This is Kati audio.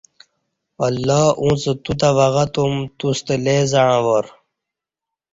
اللہ اُݩڅ توتہ وگہ تُم توستہ لے زعݩہ وار